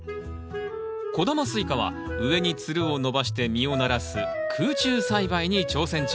小玉スイカは上につるを伸ばして実をならす空中栽培に挑戦中。